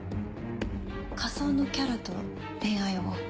仮想のキャラと恋愛を。